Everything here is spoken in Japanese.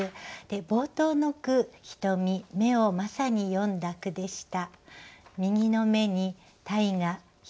冒頭の句「ひとみ」「目」をまさに詠んだ句でした。